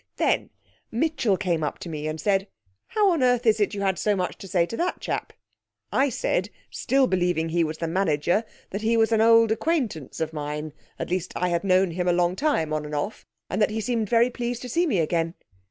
Then Mitchell came up to me and said, "How on earth is it you had so much to say to that chap?" I said (still believing he was the manager) that he was an old acquaintance of mine, at least, I had known him a long time on and off and that he seemed very pleased to see me again.